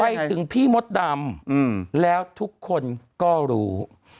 ไปถึงพี่มดดำแล้วทุกคนก็รู้